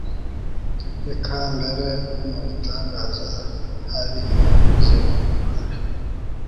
eka mbere mu bitangaza ntabigizemo uruhare